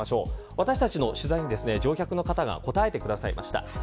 私たちの取材に乗客の方が答えてくださいました。